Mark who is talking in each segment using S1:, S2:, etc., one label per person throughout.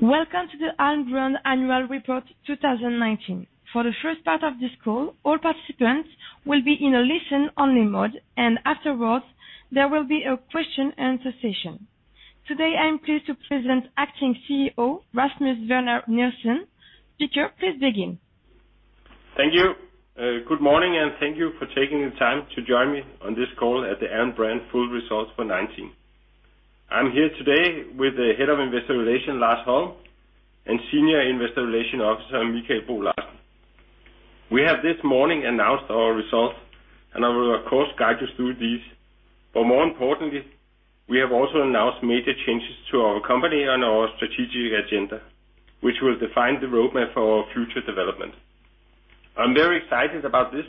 S1: Welcome to the Alm. Brand Annual Report 2019. For the first part of this call, all participants will be in a listen-only mode, and afterwards there will be a question and answer session. Today, I am pleased to present Acting CEO, Rasmus Werner Nielsen. Peter, please begin.
S2: Thank you. Good morning, and thank you for taking the time to join me on this call at the Alm. Brand full results for 2019. I'm here today with the Head of Investor Relations, Lars Holm, and Senior Investor Relations Officer, Mikael Bo Larsen. We have this morning announced our results, and I will of course guide us through these, but more importantly, we have also announced major changes to our company and our strategic agenda, which will define the roadmap for our future development. I'm very excited about this,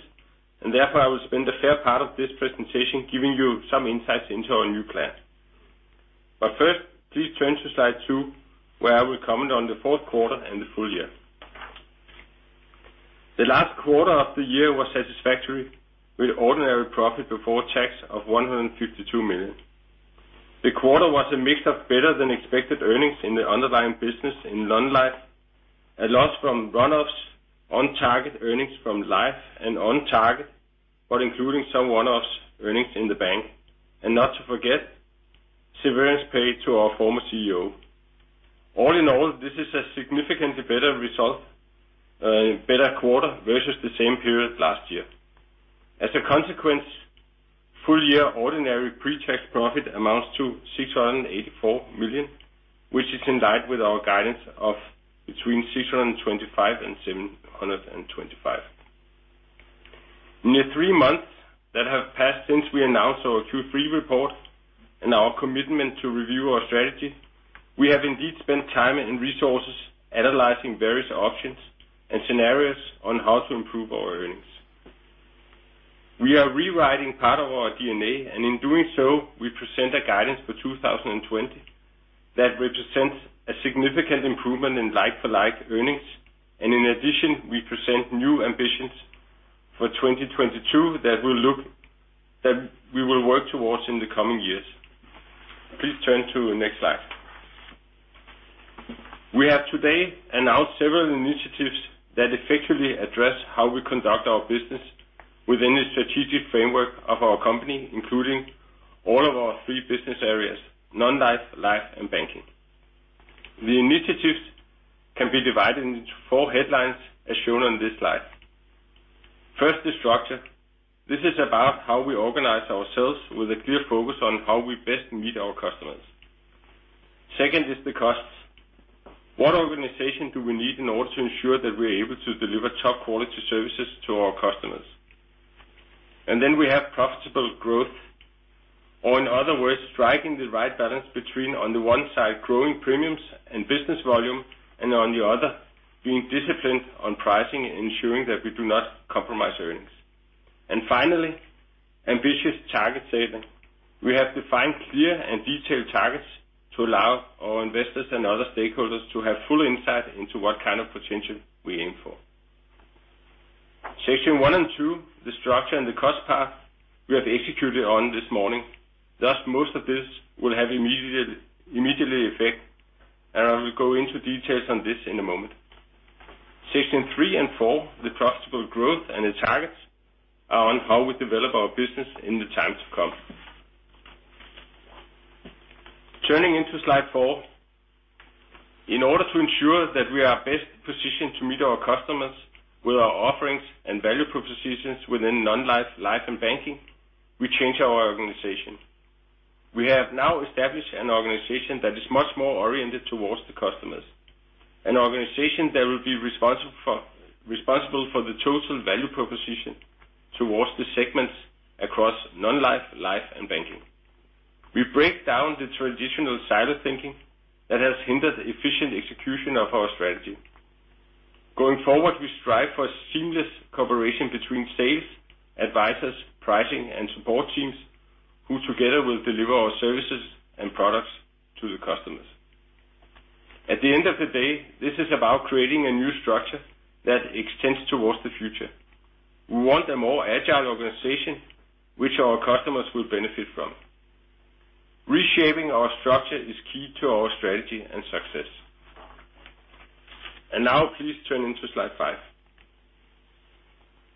S2: and therefore, I will spend a fair part of this presentation giving you some insights into our new plan. First, please turn to slide two, where I will comment on the Q4 and the full year. The last quarter of the year was satisfactory with ordinary profit before tax of 152 million. The quarter was a mix of better than expected earnings in the underlying business in non-life, a loss from run-offs on target earnings from life and on target, but including some one-offs earnings in the bank, and not to forget, severance paid to our former CEO. All in all, this is a significantly better quarter versus the same period last year. As a consequence, full year ordinary pre-tax profit amounts to 684 million, which is in line with our guidance of between 625 million and 725 million. In the three months that have passed since we announced our Q3 report and our commitment to review our strategy, we have indeed spent time and resources analyzing various options and scenarios on how to improve our earnings. We are rewriting part of our DNA, and in doing so, we present a guidance for 2020 that represents a significant improvement in like for like earnings. In addition, we present new ambitions for 2022 that we will work towards in the coming years. Please turn to the next slide. We have today announced several initiatives that effectively address how we conduct our business within the strategic framework of our company, including all of our three business areas, non-life, life, and banking. The initiatives can be divided into four headlines as shown on this slide. First, the structure. This is about how we organize ourselves with a clear focus on how we best meet our customers. Second is the cost. What organization do we need in order to ensure that we're able to deliver top quality services to our customers? We have profitable growth, or in other words, striking the right balance between, on the one side, growing premiums and business volume, and on the other, being disciplined on pricing and ensuring that we do not compromise earnings. Finally, ambitious target setting. We have defined clear and detailed targets to allow our investors and other stakeholders to have full insight into what kind of potential we aim for. Section one and two, the structure and the cost path we have executed on this morning, thus, most of this will have immediate effect, and I will go into details on this in a moment. Section three and four, the profitable growth and the targets are on how we develop our business in the time to come. Turning into slide four. In order to ensure that we are best positioned to meet our customers with our offerings and value propositions within non-life, life, and banking, we change our organization. We have now established an organization that is much more oriented towards the customers. An organization that will be responsible for the total value proposition towards the segments across non-life, life and banking. We break down the traditional silo thinking that has hindered efficient execution of our strategy. Going forward, we strive for seamless cooperation between sales, advisors, pricing, and support teams, who together will deliver our services and products to the customers. At the end of the day, this is about creating a new structure that extends towards the future. We want a more agile organization, which our customers will benefit from. Reshaping our structure is key to our strategy and success. Now please turn into slide five.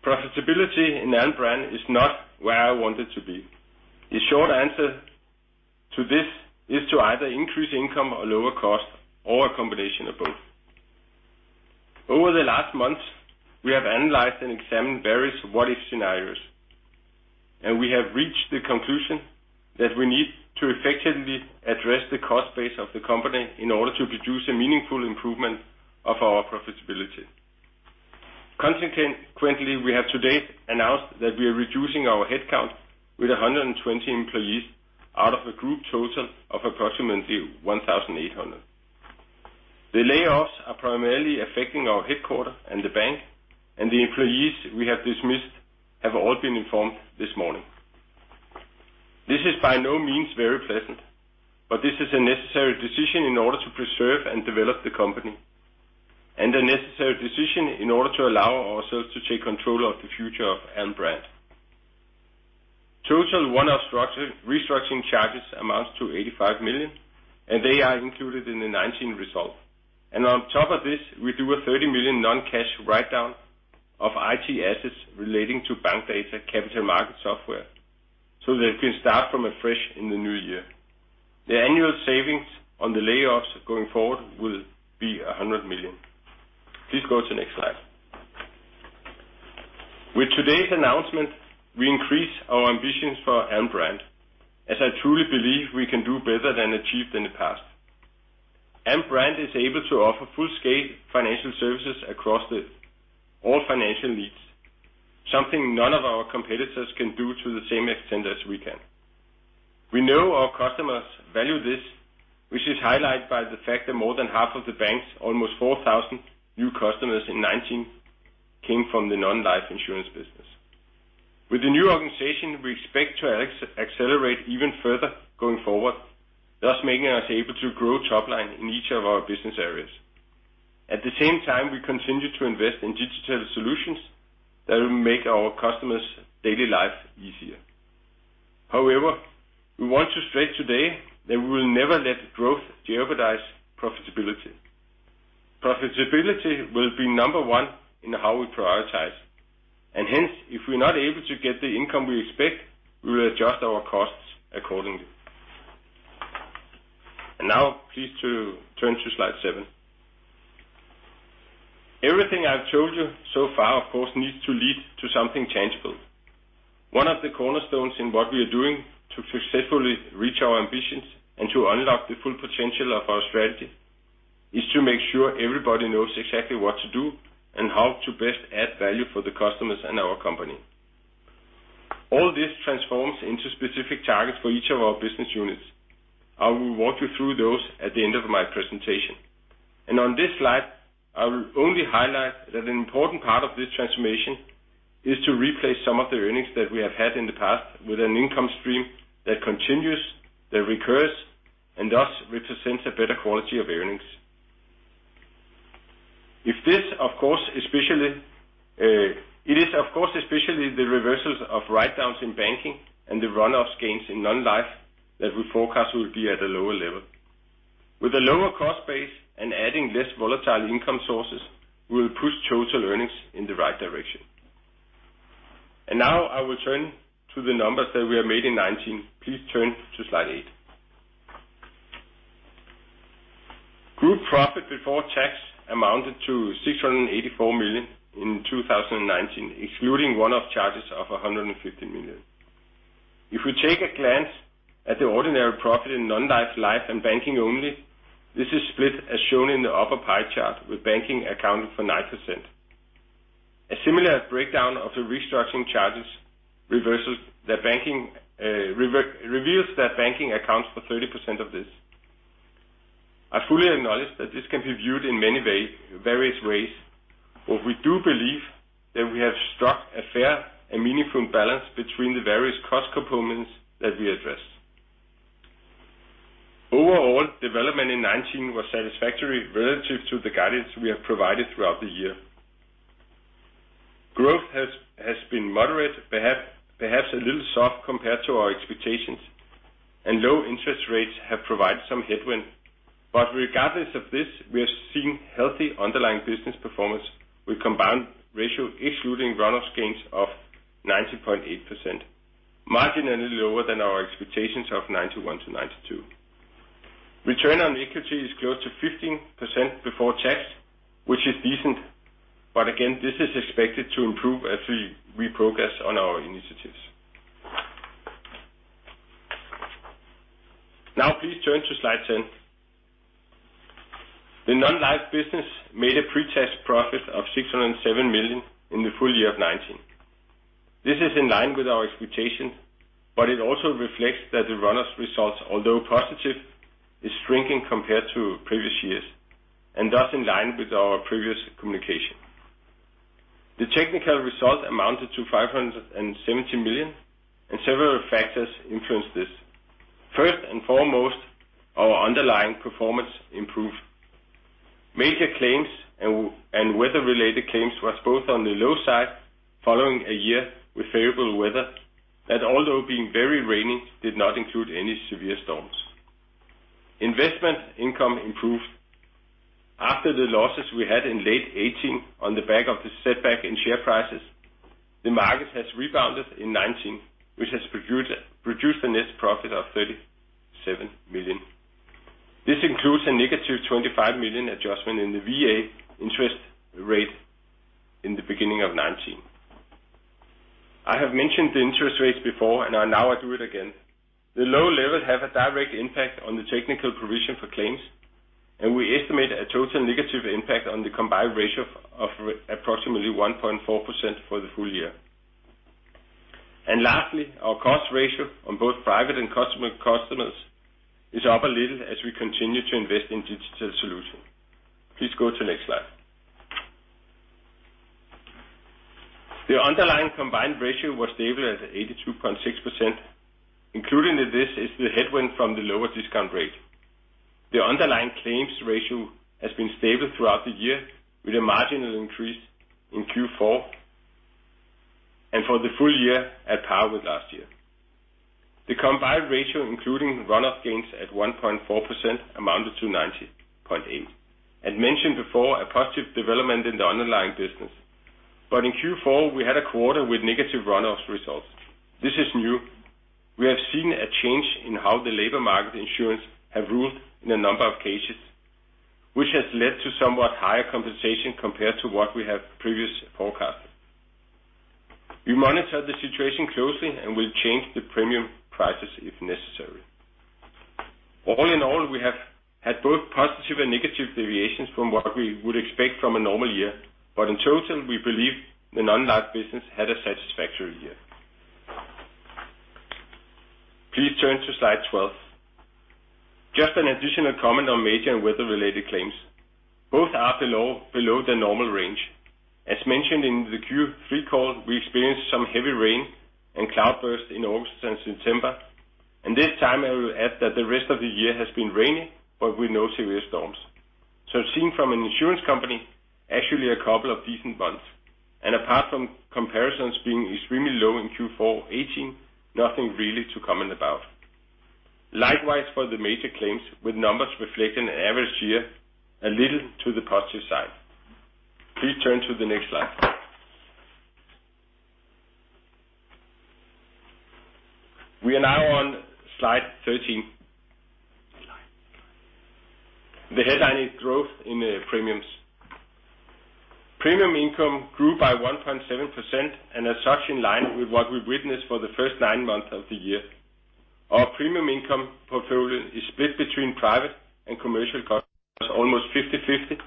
S2: Profitability in Alm. Brand is not where I want it to be. The short answer to this is to either increase income or lower cost, or a combination of both. Over the last months, we have analyzed and examined various what if scenarios, and we have reached the conclusion that we need to effectively address the cost base of the company in order to produce a meaningful improvement of our profitability. Consequently, we have today announced that we are reducing our headcount with 120 employees out of a group total of approximately 1,800. The layoffs are primarily affecting our headquarter and the bank, and the employees we have dismissed have all been informed this morning. This is by no means very pleasant, but this is a necessary decision in order to preserve and develop the company, and a necessary decision in order to allow ourselves to take control of the future of Alm. Brand. Total one-off restructuring charges amounts to 85 million. They are included in the 2019 result. On top of this, we do a 30 million non-cash write-down of IT assets relating to Bankdata capital market programme, so that we can start from afresh in the new year. The annual savings on the layoffs going forward will be 100 million. Please go to the next slide. With today's announcement, we increase our ambitions for Alm. Brand, as I truly believe we can do better than achieved in the past. Alm. Brand is able to offer full scale financial services across all financial needs, something none of our competitors can do to the same extent as we can. We know our customers value this, which is highlighted by the fact that more than half of the bank's almost 4,000 new customers in 2019 came from the non-life insurance business. With the new organization, we expect to accelerate even further going forward, thus making us able to grow top line in each of our business areas. At the same time, we continue to invest in digital solutions that will make our customers' daily life easier. However, we want to stress today that we will never let growth jeopardize profitability. Profitability will be number one in how we prioritize, and hence, if we're not able to get the income we expect, we will adjust our costs accordingly. Now please turn to slide seven. Everything I've told you so far, of course, needs to lead to something tangible. One of the cornerstones in what we are doing to successfully reach our ambitions and to unlock the full potential of our strategy, is to make sure everybody knows exactly what to do and how to best add value for the customers and our company. All this transforms into specific targets for each of our business units. I will walk you through those at the end of my presentation. On this slide, I will only highlight that an important part of this transformation is to replace some of the earnings that we have had in the past with an income stream that continues, that recurs, and thus represents a better quality of earnings. It is of course, especially the reversals of write-downs in banking and the run-offs gains in non-life that we forecast will be at a lower level. With a lower cost base and adding less volatile income sources, we will push total earnings in the right direction. Now I will turn to the numbers that we have made in 2019. Please turn to slide eight. group profit before tax amounted to 684 million in 2019, excluding one-off charges of 150 million. If we take a glance at the ordinary profit in non-life, life, and banking only, this is split as shown in the upper pie chart, with banking accounting for 9%. A similar breakdown of the restructuring charges reversals reveals that banking accounts for 30% of this. I fully acknowledge that this can be viewed in various ways, but we do believe that we have struck a fair and meaningful balance between the various cost components that we address. Overall, development in 2019 was satisfactory relative to the guidance we have provided throughout the year. Growth has been moderate, perhaps a little soft compared to our expectations, and low interest rates have provided some headwind. Regardless of this, we are seeing healthy underlying business performance with combined ratio excluding run-off gains of 90.8%, marginally lower than our expectations of 91%-92%. Return on equity is close to 15% before tax, which is decent, but again, this is expected to improve as we progress on our initiatives. Now please turn to slide 10. The non-life business made a pre-tax profit of 607 million in the full year of 2019. This is in line with our expectation, but it also reflects that the run-offs results, although positive, is shrinking compared to previous years and thus in line with our previous communication. The technical result amounted to 570 million and several factors influenced this. First and foremost, our underlying performance improved. Major claims and weather-related claims was both on the low side following a year with favorable weather that although being very rainy, did not include any severe storms. Investment income improved. After the losses we had in late 2018 on the back of the setback in share prices, the market has rebounded in 2019, which has produced a net profit of 37 million. This includes a negative 25 million adjustment in the VA interest rate in the beginning of 2019. I have mentioned the interest rates before, and now I do it again. The low level have a direct impact on the technical provision for claims. We estimate a total negative impact on the combined ratio of approximately 1.4% for the full year. Lastly, our cost ratio on both private and customers is up a little as we continue to invest in digital solution. Please go to next slide. The underlying combined ratio was stable at 82.6%. Included in this is the headwind from the lower discount rate. The underlying claims ratio has been stable throughout the year with a marginal increase in Q4, for the full year at par with last year. The combined ratio including runoff gains at 1.4%, amounted to 90.8%. As mentioned before, a positive development in the underlying business. In Q4 we had a quarter with negative runoffs results. This is new. We have seen a change in how the labor market insurance have ruled in a number of cases, which has led to somewhat higher compensation compared to what we have previously forecasted. We monitor the situation closely and will change the premium prices if necessary. All in all, we have had both positive and negative deviations from what we would expect from a normal year. In total, we believe the non-life business had a satisfactory year. Please turn to slide 12. Just an additional comment on major and weather related claims. Both are below the normal range. As mentioned in the Q3 call, we experienced some heavy rain and cloudburst in August and September, and this time I will add that the rest of the year has been rainy but with no serious storms. Seen from an insurance company, actually a couple of decent months and apart from comparisons being extremely low in Q4 2018, nothing really to comment about. Likewise for the major claims with numbers reflecting an average year a little to the positive side. Please turn to the next slide. We are now on slide 13. The headline is growth in premiums. Premium income grew by 1.7% and as such in line with what we witnessed for the first nine months of the year. Our premium income portfolio is split between private and commercial customers almost 50/50,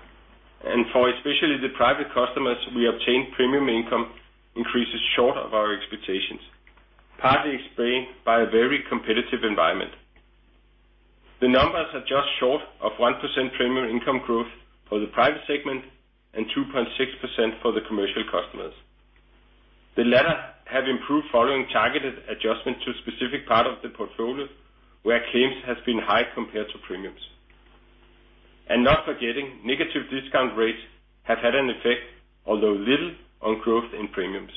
S2: and for especially the private customers we obtained premium income increases short of our expectations, partly explained by a very competitive environment. The numbers are just short of 1% premium income growth for the private segment and 2.6% for the commercial customers. The latter have improved following targeted adjustment to a specific part of the portfolio where claims has been high compared to premiums. Not forgetting negative discount rates have had an effect, although little, on growth in premiums.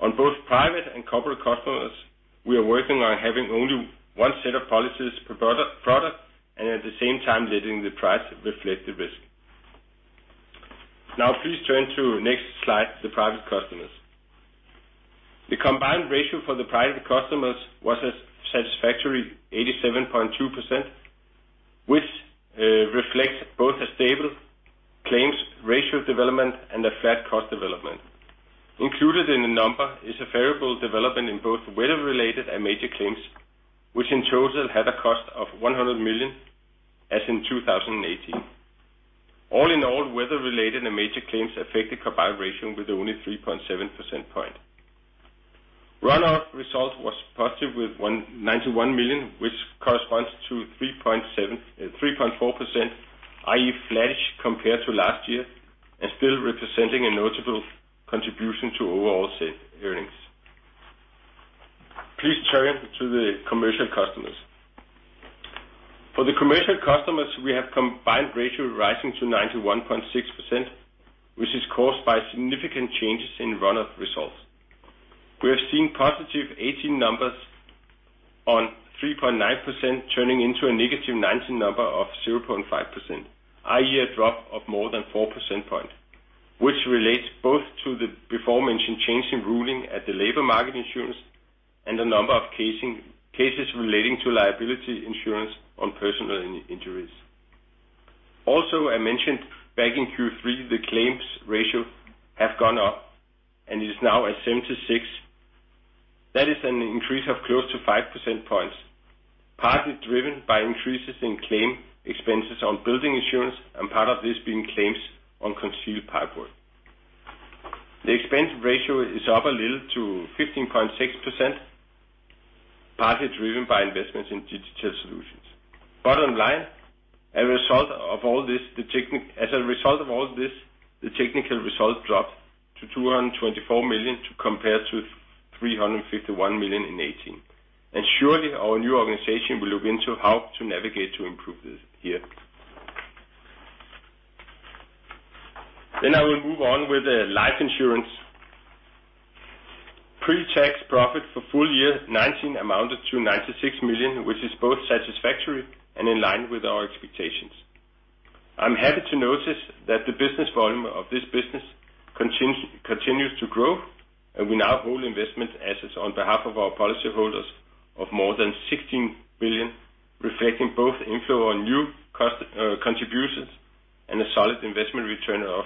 S2: On both private and corporate customers, we are working on having only one set of policies per product and at the same time letting the price reflect the risk. Now please turn to next slide, the private customers. The combined ratio for the private customers was a satisfactory 87.2%, which reflects both a stable claims ratio development and a flat cost development. Included in the number is a favorable development in both weather related and major claims, which in total had a cost of 100 million as in 2018. All in all, weather related and major claims affected combined ratio with only 3.7%. Runoff result was positive with 91 million which corresponds to 3.4%, i.e., flat-ish compared to last year and still representing a notable contribution to overall earnings. Please turn to the commercial customers. For the commercial customers, we have combined ratio rising to 91.6%, which is caused by significant changes in runoff results. We have seen positive '18 numbers on 3.9% turning into a negative '19 number of 0.5%, i.e., a drop of more than four percentage point, which relates both to the before mentioned change in ruling at the labor market insurance and a number of cases relating to liability insurance on personal injuries. Also, I mentioned back in Q3, the claims ratio have gone up and is now at 76%. That is an increase of close to five percentage points, partly driven by increases in claim expenses on building insurance, and part of this being claims on concealed pipework. The expense ratio is up a little to 15.6%, partly driven by investments in digital solutions. As a result of all this, the technical result dropped to 224 million to compare to 351 million in 2018. Surely our new organization will look into how to navigate to improve this here. I will move on with life insurance. Pre-tax profit for full year 2019 amounted to 96 million, which is both satisfactory and in line with our expectations. I'm happy to notice that the business volume of this business continues to grow, and we now hold investment assets on behalf of our policyholders of more than 16 billion, reflecting both inflow on new contributions and a solid investment return of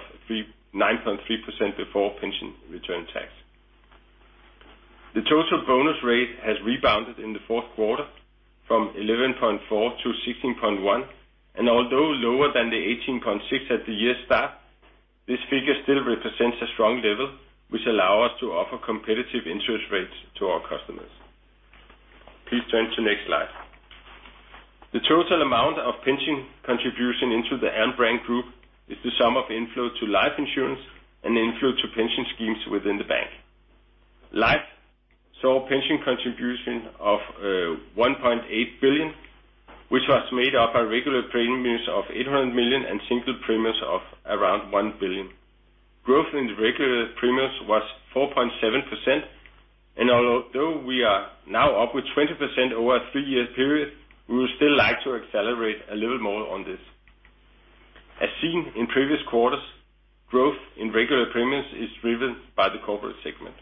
S2: 9.3% before pension return tax. The total bonus rate has rebounded in the Q4 from 11.4-16.1. Although lower than the 18.6 at the year start, this figure still represents a strong level which allow us to offer competitive interest rates to our customers. Please turn to next slide. The total amount of pension contribution into the Alm. Brand Group is the sum of inflow to life insurance and inflow to pension schemes within the bank. Life saw pension contribution of 1.8 billion, which was made up of regular premiums of 800 million and single premiums of around 1 billion. Growth in the regular premiums was 4.7%. Although we are now up with 20% over a three-year period, we would still like to accelerate a little more on this. As seen in previous quarters, growth in regular premiums is driven by the corporate segment.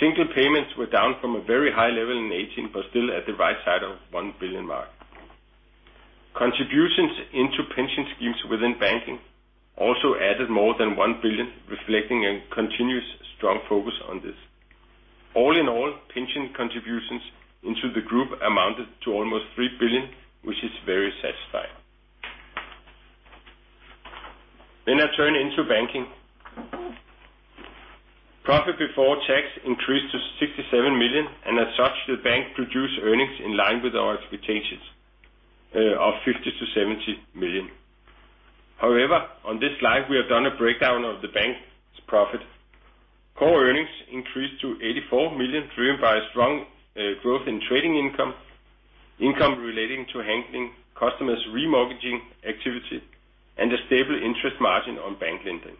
S2: Single payments were down from a very high level in 2018, still at the right side of 1 billion. Contributions into pension schemes within banking also added more than 1 billion, reflecting a continuous strong focus on this. All in all, pension contributions into the group amounted to almost 3 billion, which is very satisfying. I turn into banking. Profit before tax increased to 67 million, as such, the bank produced earnings in line with our expectations of 50 million-70 million. However, on this slide, we have done a breakdown of the bank's profit. Core earnings increased to 84 million, driven by strong growth in trading income relating to handling customers' remortgaging activity, and a stable interest margin on bank lending.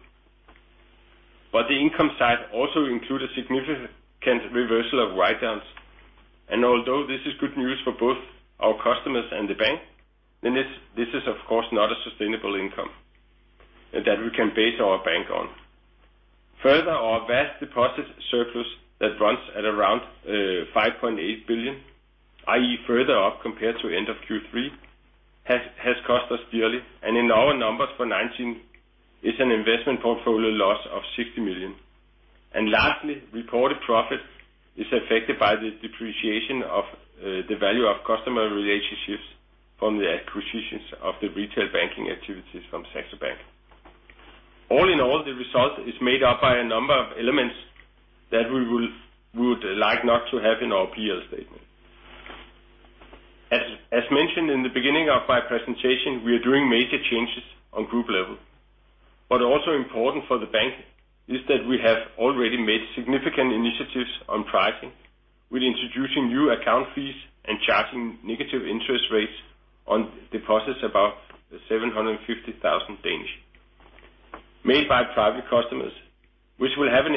S2: The income side also include a significant reversal of write-downs, and although this is good news for both our customers and the bank, then this is of course not a sustainable income that we can base our bank on. Our vast deposit surplus that runs at around 5.8 billion, i.e., further up compared to end of Q3, has cost us dearly. In our numbers for 2019, is an investment portfolio loss of 60 million. Lastly, reported profit is affected by the depreciation of the value of customer relationships from the acquisitions of the retail banking activities from Saxo Bank. All in all, the result is made up by a number of elements that we would like not to have in our P&L statement. As mentioned in the beginning of my presentation, we are doing major changes on group level. Also important for the bank is that we have already made significant initiatives on pricing, with introducing new account fees and charging negative interest rates on deposits above 750,000 made by private customers, which will have an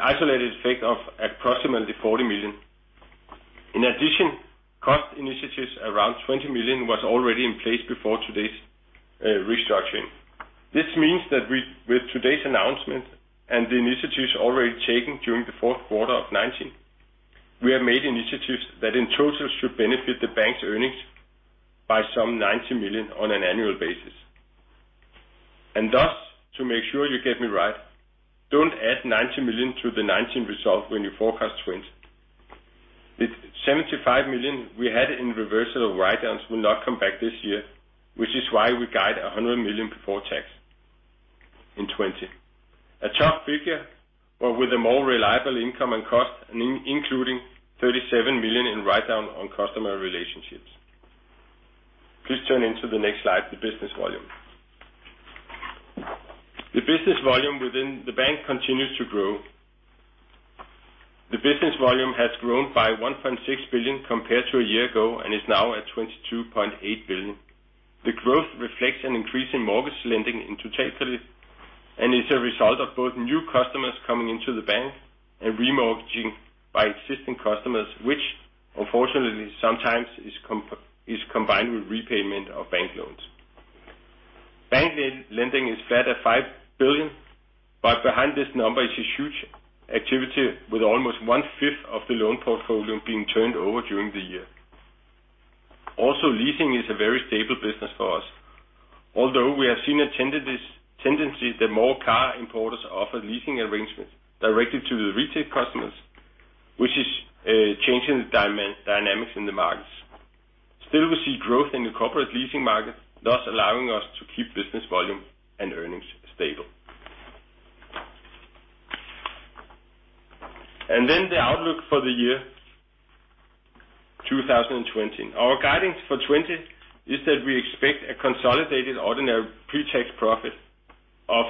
S2: isolated effect of approximately 40 million. In addition, cost initiatives around 20 million was already in place before today's restructuring. This means that with today's announcement and the initiatives already taken during the Q4 of 2019, we have made initiatives that in total should benefit the bank's earnings by some 90 million on an annual basis. Thus, to make sure you get me right, don't add 90 million to the 2019 result when you forecast 2020. The 75 million we had in reversal of write-downs will not come back this year, which is why we guide 100 million before tax in 2020. A tough figure, with a more reliable income and cost, including 37 million in write-down on customer relationships. Please turn into the next slide, the business volume. The business volume within the bank continues to grow. The business volume has grown by 1.6 billion compared to a year ago and is now at 22.8 billion. The growth reflects an increase in mortgage lending in total and is a result of both new customers coming into the bank and remortgaging by existing customers, which unfortunately sometimes is combined with repayment of bank loans. Bank lending is flat at 5 billion, but behind this number is a huge activity with almost one fifth of the loan portfolio being turned over during the year. Leasing is a very stable business for us. Although we have seen a tendency that more car importers offer leasing arrangements directly to the retail customers, which is changing the dynamics in the markets. Still, we see growth in the corporate leasing market, thus allowing us to keep business volume and earnings stable. The outlook for the year 2020. Our guidance for 2020 is that we expect a consolidated ordinary pretax profit of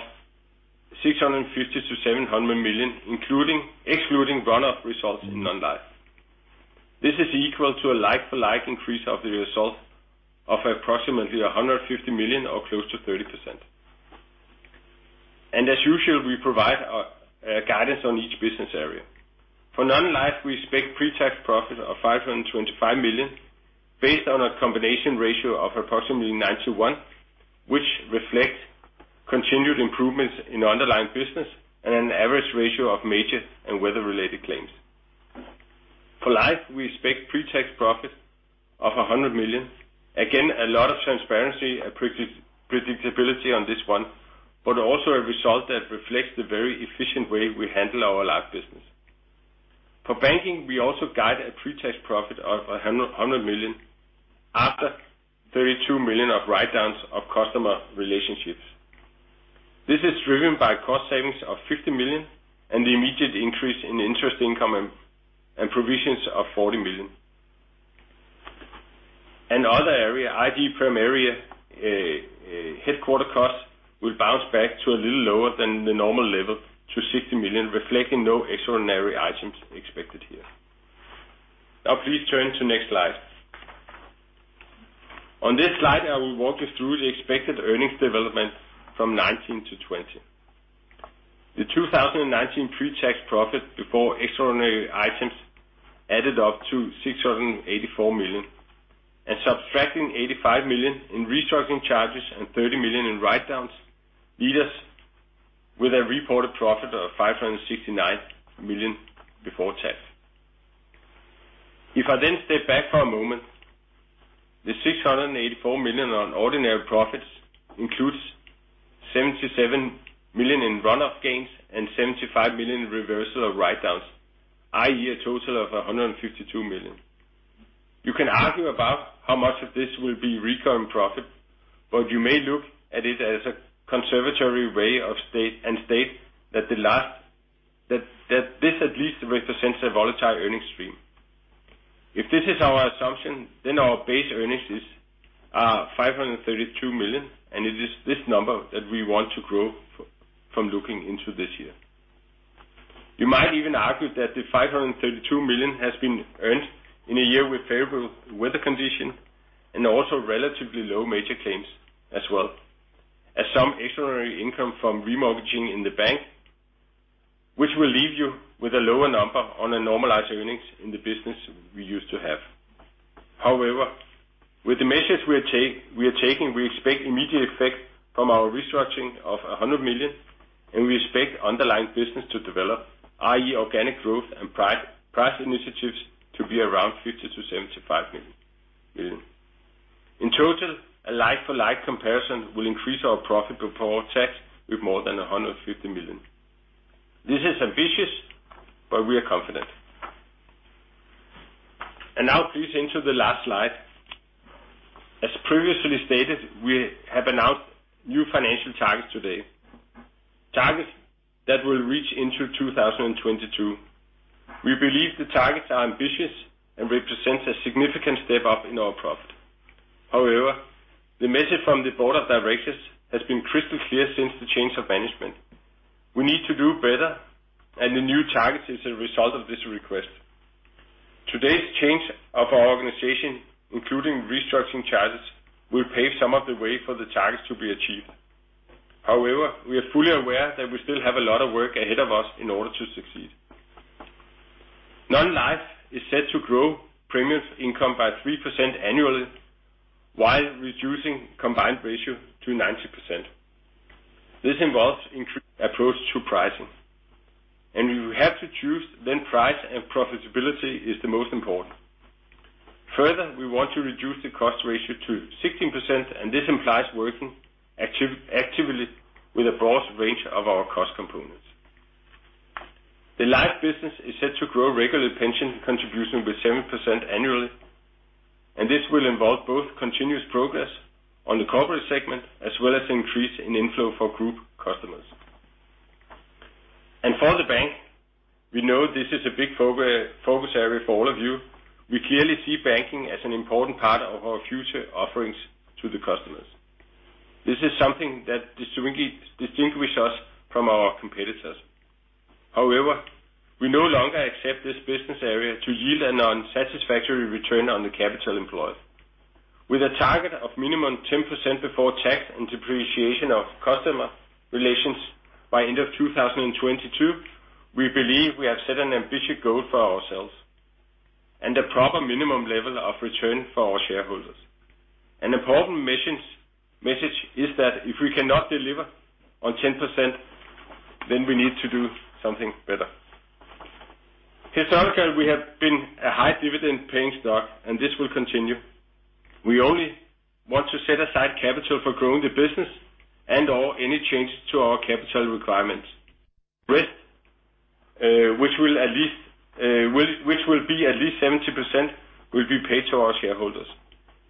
S2: 650 million-700 million, excluding one-off results in non-life. This is equal to a like-for-like increase of the result of approximately 150 million or close to 30%. As usual, we provide our guidance on each business area. For non-life, we expect pretax profit of 525 million based on a combination ratio of approximately 9:1, which reflect continued improvements in underlying business and an average ratio of major and weather-related claims. For life, we expect pretax profit of 100 million. Again, a lot of transparency and predictability on this one, but also a result that reflects the very efficient way we handle our life business. For banking, we also guide a pre-tax profit of 100 million after 32 million of write-downs of customer relationships. This is driven by cost savings of 50 million and the immediate increase in interest income and provisions of 40 million. Other area, IG prem area, headquarter cost will bounce back to a little lower than the normal level to 60 million, reflecting no extraordinary items expected here. Now please turn to next slide. On this slide, I will walk you through the expected earnings development from 2019-2020. The 2019 pre-tax profit before extraordinary items added up to 684 million, and subtracting 85 million in restructuring charges and 30 million in write-downs leave us with a reported profit of 569 million before tax. If I step back for a moment, the 684 million on ordinary profits includes 77 million in run-up gains and 75 million in reversal of write-downs, i.e., a total of 152 million. You can argue about how much of this will be recurring profit, you may look at it as a conservatory way and state that this at least represents a volatile earnings stream. If this is our assumption, our base earnings is 532 million, it is this number that we want to grow from looking into this year. You might even argue that the 532 million has been earned in a year with favorable weather condition and also relatively low major claims as well as some extraordinary income from remortgaging in the bank, which will leave you with a lower number on a normalized earnings in the business we used to have. With the measures we are taking, we expect immediate effect from our restructuring of 100 million, and we expect underlying business to develop, i.e., organic growth and price initiatives to be around 50 million to 75 million. A like-for-like comparison will increase our profit before tax with more than 150 million. This is ambitious. We are confident. Now please into the last slide. As previously stated, we have announced new financial targets today. Targets that will reach into 2022. We believe the targets are ambitious and represents a significant step up in our profit. The message from the board of directors has been crystal clear since the change of management. We need to do better. The new target is a result of this request. Today's change of our organization, including restructuring charges, will pave some of the way for the targets to be achieved. However, we are fully aware that we still have a lot of work ahead of us in order to succeed. Non-life is set to grow premiums income by 3% annually while reducing combined ratio to 90%. This involves increased approach to pricing, and we will have to choose then price and profitability is the most important. Further, we want to reduce the cost ratio to 16%, and this implies working actively with a broad range of our cost components. The life business is set to grow regular pension contribution with 7% annually, and this will involve both continuous progress on the corporate segment as well as increase in inflow for group customers. For the Bank, we know this is a big focus area for all of you. We clearly see Banking as an important part of our future offerings to the customers. This is something that distinguish us from our competitors. However, we no longer accept this business area to yield a unsatisfactory return on the capital employed. With a target of minimum 10% before tax and depreciation of customer relations by end of 2022, we believe we have set an ambitious goal for ourselves and a proper minimum level of return for our shareholders. An important message is that if we cannot deliver on 10%, then we need to do something better. Historical, we have been a high dividend paying stock, and this will continue. We only want to set aside capital for growing the business and/or any change to our capital requirements. Rest, which will be at least 70%, will be paid to our shareholders.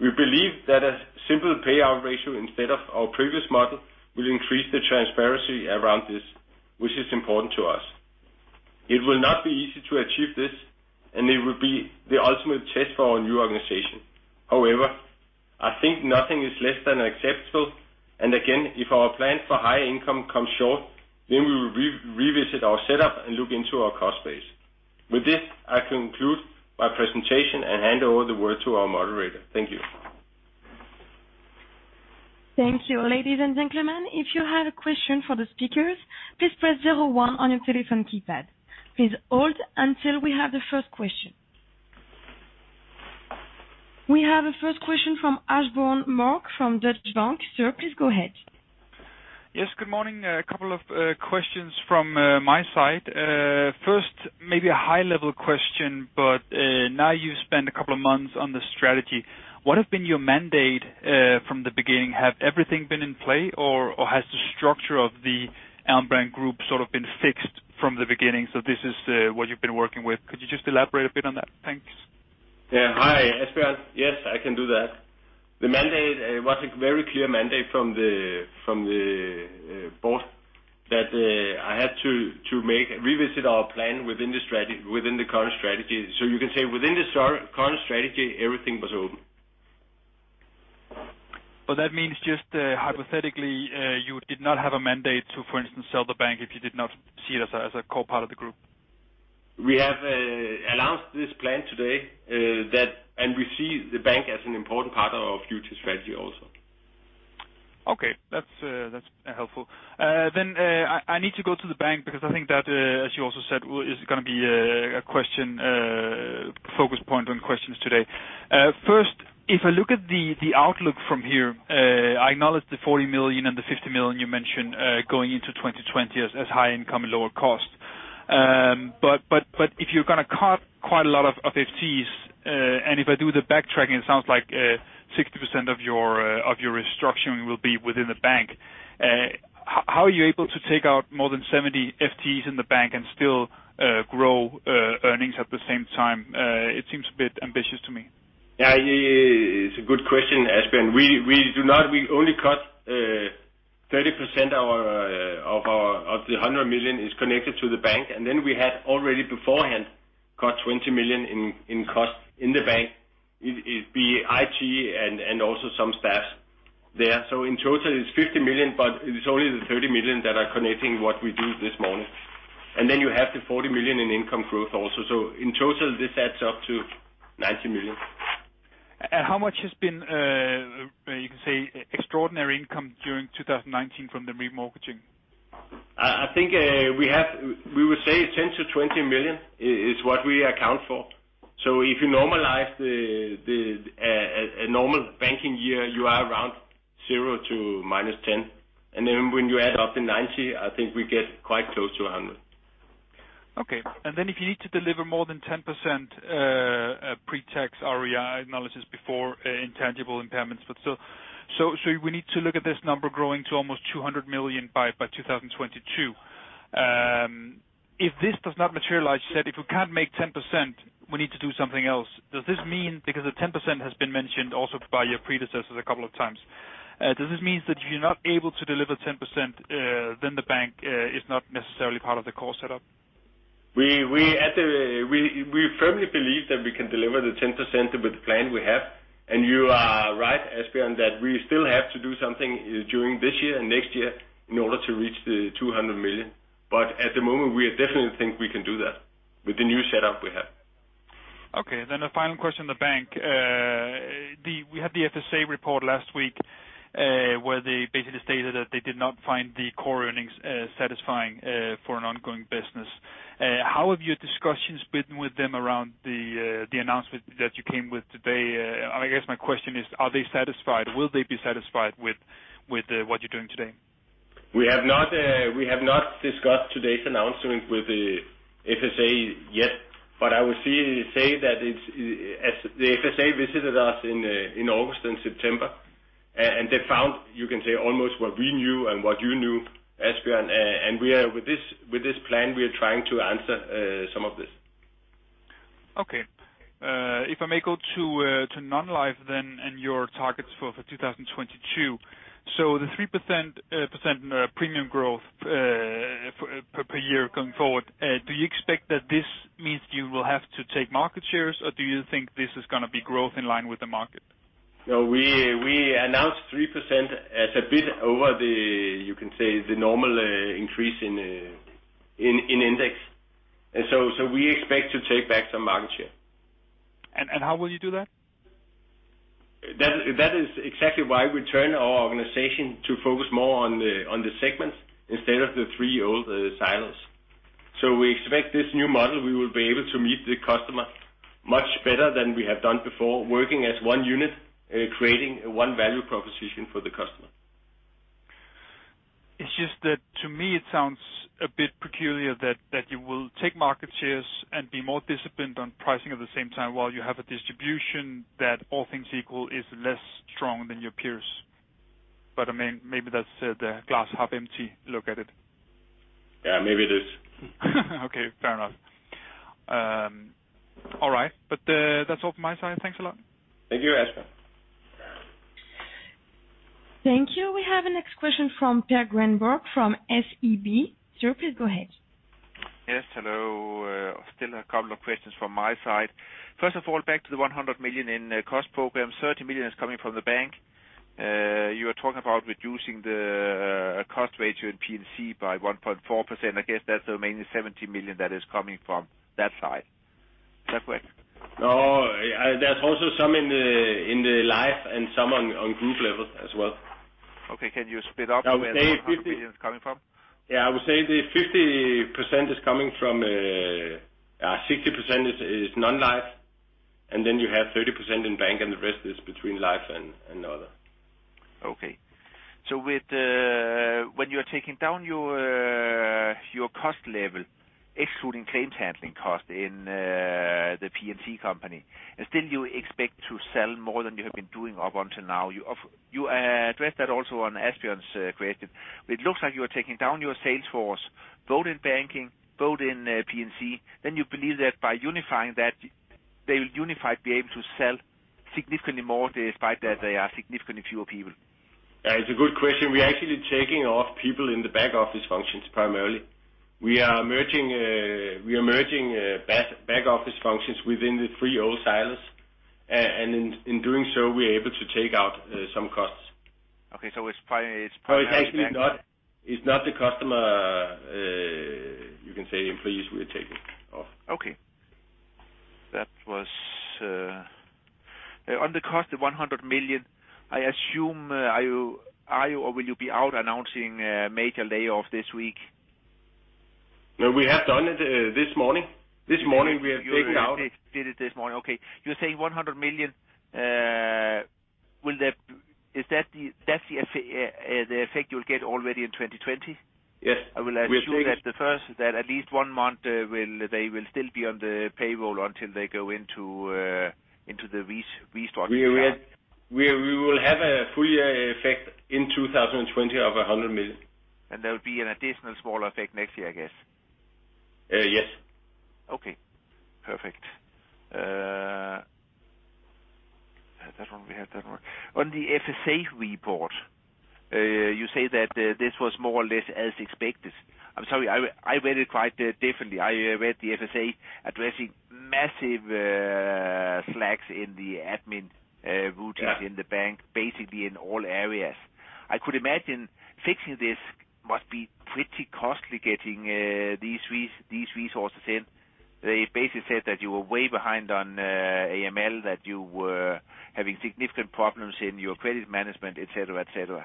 S2: We believe that a simple payout ratio instead of our previous model will increase the transparency around this, which is important to us. It will not be easy to achieve this, and it will be the ultimate test for our new organization. However, I think nothing is less than acceptable. Again, if our plan for high income comes short, then we will revisit our setup and look into our cost base. With this, I conclude my presentation and hand over the word to our moderator. Thank you.
S1: Thank you. Ladies and gentlemen, if you have a question for the speakers, please press zero one on your telephone keypad. Please hold until we have the first question. We have a first question from Asbjørn Mørk from Danske Bank. Sir, please go ahead.
S3: Yes. Good morning. A couple of questions from my side. First, maybe a high level question, but now you've spent a couple of months on the strategy. What have been your mandate from the beginning? Have everything been in play, or has the structure of the Alm. Brand Group sort of been fixed from the beginning, so this is what you've been working with? Could you just elaborate a bit on that? Thanks.
S2: Yeah. Hi, Asbjørn. Yes, I can do that. The mandate was a very clear mandate from the board. That I had to revisit our plan within the current strategy. You can say within the current strategy, everything was open.
S3: That means just hypothetically, you did not have a mandate to, for instance, sell the bank if you did not see it as a core part of the group.
S2: We have announced this plan today. We see the bank as an important part of our future strategy also.
S3: Okay. That's helpful. I need to go to the bank because I think that, as you also said, is going to be a focus point on questions today. First, if I look at the outlook from here, I acknowledge the 40 million and the 50 million you mentioned, going into 2020 as high income and lower cost. If you're going to cut quite a lot of FTEs, and if I do the backtracking, it sounds like 60% of your restructuring will be within the bank. How are you able to take out more than 70 FTEs in the bank and still grow earnings at the same time? It seems a bit ambitious to me.
S2: Yeah. It's a good question, Asbjørn. We only cut 30% of the 100 million is connected to the bank, and then we had already beforehand cut 20 million in cost in the bank, it be IT and also some staff there. In total it's 50 million, but it is only the 30 million that are connecting what we do this morning. Then you have the 40 million in income growth also. In total, this adds up to 90 million.
S3: How much has been, you can say, extraordinary income during 2019 from the remortgaging?
S2: I think we would say 10 million-20 million is what we account for. If you normalize a normal banking year, you are around DKK zero-DKK minus 10. When you add up the 90, I think we get quite close to 100.
S3: If you need to deliver more than 10% pre-tax ROE analysis before intangible impairments. We need to look at this number growing to almost 200 million by 2022. If this does not materialize, you said if we can't make 10%, we need to do something else. Does this mean because the 10% has been mentioned also by your predecessors a couple of times, does this means that you're not able to deliver 10%, then the bank is not necessarily part of the core setup?
S2: We firmly believe that we can deliver the 10% with the plan we have. You are right, Asbjørn, that we still have to do something during this year and next year in order to reach the 200 million. At the moment, we definitely think we can do that with the new setup we have.
S3: Okay. The final question on the bank. We had the FSA report last week, where they basically stated that they did not find the core earnings satisfying for an ongoing business. How have your discussions been with them around the announcement that you came with today? I guess my question is, are they satisfied? Will they be satisfied with what you're doing today?
S2: We have not discussed today's announcement with the FSA yet. I would say that the FSA visited us in August and September, and they found, you can say, almost what we knew and what you knew, Asbjørn. With this plan, we are trying to answer some of this.
S3: Okay. If I may go to non-life then and your targets for 2022. The 3% premium growth per year going forward, do you expect that this means you will have to take market shares, or do you think this is going to be growth in line with the market?
S2: No, we announced 3% as a bit over the, you can say, the normal increase in index. We expect to take back some market share.
S3: How will you do that?
S2: That is exactly why we turn our organization to focus more on the segments instead of the three old silos. We expect this new model, we will be able to meet the customer much better than we have done before, working as one unit, creating one value proposition for the customer.
S3: It's just that to me it sounds a bit peculiar that you will take market shares and be more disciplined on pricing at the same time while you have a distribution that all things equal is less strong than your peers. Maybe that's the glass half empty look at it.
S2: Yeah, maybe it is.
S3: Okay, fair enough. All right. That's all from my side. Thanks a lot.
S2: Thank you, Asbjørn.
S1: Thank you. We have a next question from Per Grønborg from SEB. Sir, please go ahead.
S4: Yes, hello. Still a couple of questions from my side. First of all, back to the 100 million in cost program, 30 million is coming from the bank. You are talking about reducing the cost ratio in P&C by 1.4%. I guess that's the remaining 70 million that is coming from that side. Is that correct?
S2: No, there's also some in the life and some on group level as well.
S4: Okay. Can you split up where the 100 million is coming from?
S2: Yeah, I would say the 60% is non-life, and then you have 30% in bank, and the rest is between life and other.
S4: When you are taking down your cost level, excluding claims handling cost in the P&C company, still you expect to sell more than you have been doing up until now. You addressed that also on Asbjørn's question. It looks like you are taking down your sales force, both in banking, both in P&C. You believe that by unifying, they will unified be able to sell significantly more despite that they are significantly fewer people.
S2: It's a good question. We are actually taking off people in the back-office functions primarily. We are merging back-office functions within the three old silos, and in doing so, we are able to take out some costs.
S4: Okay.
S2: It's not the customer, you can say, employees we're taking off.
S4: Okay. On the cost of 100 million, I assume, are you or will you be out announcing a major layoff this week?
S2: No, we have done it this morning. This morning we have taken out-
S4: You did it this morning, okay. You're saying 100 million, that's the effect you'll get already in 2020?
S2: Yes.
S4: I will assume that the first is that at least one month they will still be on the payroll until they go into the restructuring part.
S2: We will have a full year effect in 2020 of 100 million.
S4: There will be an additional smaller effect next year, I guess.
S2: Yes.
S4: Okay. Perfect. That one we have done. On the FSA report, you say that this was more or less as expected. I'm sorry, I read it quite differently. I read the FSA addressing massive slacks in the admin routines in the bank, basically in all areas. I could imagine fixing this must be pretty costly, getting these resources in. They basically said that you were way behind on AML, that you were having significant problems in your credit management, et cetera.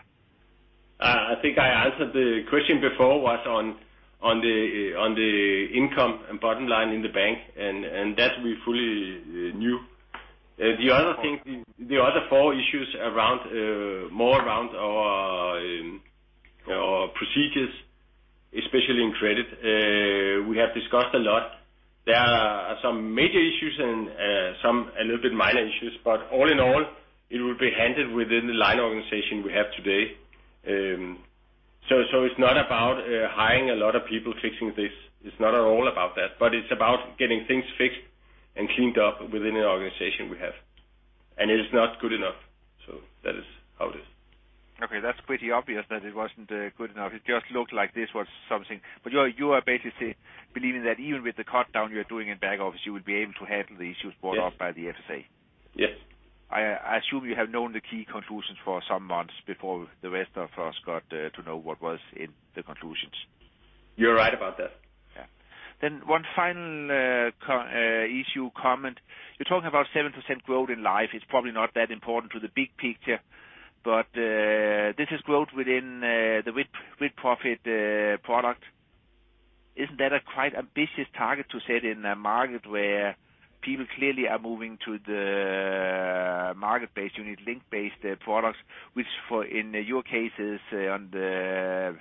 S2: I think I answered the question before was on the income and bottom line in the bank, and that we fully knew. The other four issues more around our procedures, especially in credit, we have discussed a lot. There are some major issues and some a little bit minor issues, but all in all, it will be handled within the line organization we have today. It's not about hiring a lot of people fixing this. It's not at all about that, but it's about getting things fixed and cleaned up within the organization we have. It is not good enough. That is how it is.
S4: Okay, that's pretty obvious that it wasn't good enough. It just looked like this was something. You are basically believing that even with the cut down you're doing in back office, you will be able to handle the issues brought up by the FSA?
S2: Yes.
S4: I assume you have known the key conclusions for some months before the rest of us got to know what was in the conclusions.
S2: You're right about that.
S4: Yeah. One final issue, comment. You're talking about 7% growth in life. It's probably not that important to the big picture, but this is growth within the with profit product. Isn't that a quite ambitious target to set in a market where people clearly are moving to the market-based unit, link-based products, which in your case is on the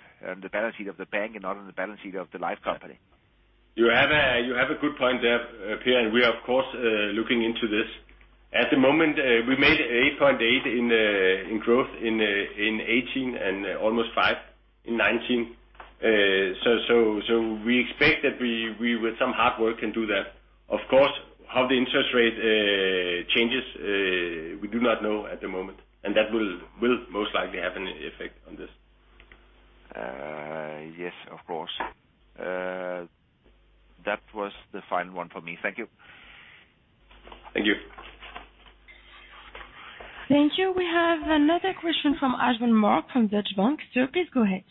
S4: balance sheet of the bank and not on the balance sheet of the life company?
S2: You have a good point there, Per. We are of course looking into this. At the moment, we made 8.8% in growth in 2018 and almost 5% in 2019. We expect that we with some hard work can do that. Of course, how the interest rate changes, we do not know at the moment, and that will most likely have an effect on this.
S4: Yes, of course. That was the final one for me. Thank you.
S2: Thank you.
S1: Thank you. We have another question from Asbjørn Mørk from Deutsche Bank. Sir, please go ahead.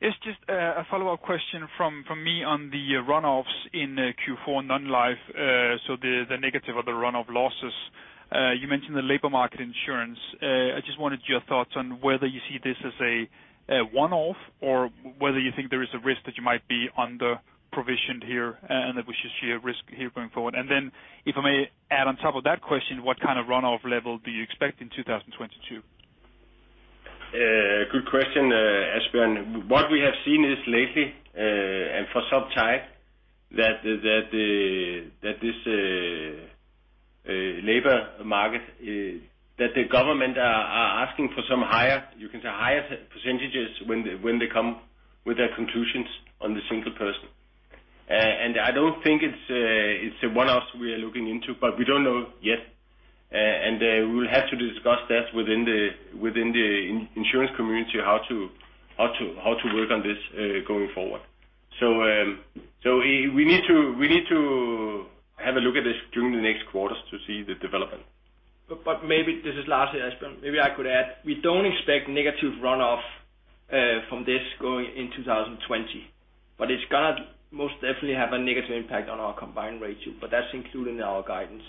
S3: It's just a follow-up question from me on the runoffs in Q4 non-life, so the negative or the runoff losses. You mentioned the labor market insurance. I just wanted your thoughts on whether you see this as a one-off or whether you think there is a risk that you might be under-provisioned here, and that we should see a risk here going forward? Then if I may add on top of that question, what kind of runoff level do you expect in 2022?
S2: Good question, Asbjørn. What we have seen is lately, and for some time, that this labor market, that the government are asking for some higher percentages when they come with their conclusions on the single person. I don't think it's a one-off we are looking into, but we don't know yet. We will have to discuss that within the insurance community how to work on this going forward. We need to have a look at this during the next quarters to see the development.
S5: Maybe, this is Lars to Asbjørn, maybe I could add. We don't expect negative runoff from this going in 2020, but it's going to most definitely have a negative impact on our combined ratio, but that's included in our guidance.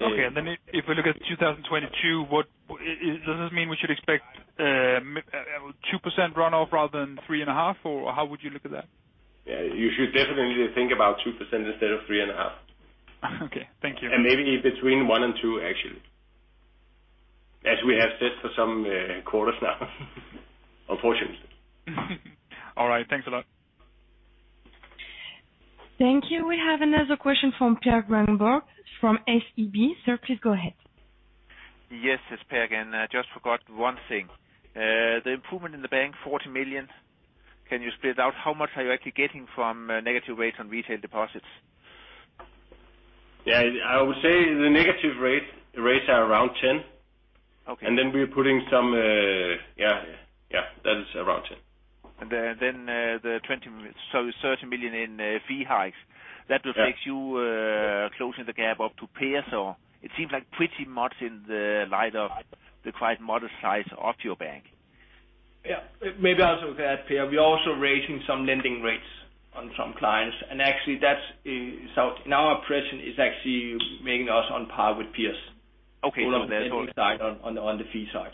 S3: Okay. If we look at 2022, does this mean we should expect 2% runoff rather than 3.5%, or how would you look at that?
S2: You should definitely think about 2% instead of three and a half.
S3: Okay. Thank you.
S2: Maybe between one and two, actually. As we have said for some quarters now, unfortunately.
S3: All right. Thanks a lot.
S1: Thank you. We have another question from Per Grønborg from SEB. Sir, please go ahead.
S4: Yes, it's Per again. I just forgot one thing. The improvement in the bank, 40 million, can you split out how much are you actually getting from negative rates on retail deposits?
S2: Yeah. I would say the negative rates are around 10.
S4: Okay.
S2: We're putting some, yeah, that is around 10.
S4: The 30 million in fee hikes.
S2: Yeah.
S4: That will take you closing the gap up to peers, or it seems like pretty much in the light of the quite modest size of your bank.
S5: Yeah. Maybe I'll also add, Per, we are also raising some lending rates on some clients, and actually that's in our impression is actually making us on par with peers.
S4: Okay.
S5: On the fee side.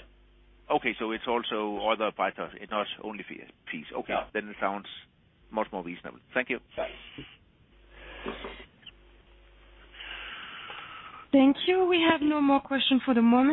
S4: Okay. It's also other prices, it's not only fees.
S5: Yeah.
S4: Okay. It sounds much more reasonable. Thank you.
S5: Bye.
S1: Thank you. We have no more question for the moment.